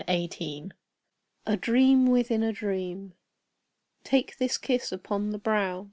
A DREAM WITHIN A DREAM. Take this kiss upon the brow!